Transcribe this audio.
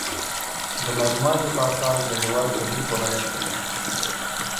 د مالوماتو په اساس د هېواد په هېڅ ولایت کې